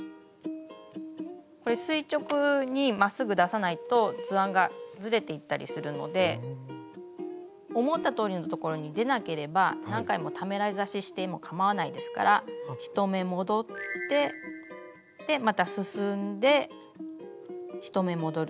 これ垂直にまっすぐ出さないと図案がずれていったりするので思ったとおりのところに出なければ何回もためらい刺ししてもかまわないですから１目戻ってまた進んで１目戻る。